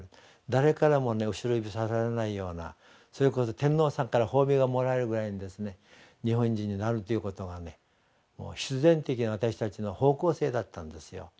誰からも後ろ指さされないようなそれこそ天皇さんから褒美がもらえるぐらいにですね日本人になるということが必然的に私たちの方向性だったんですよ。